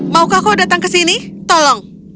maukah kau datang ke sini tolong